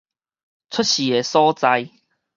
出世的所在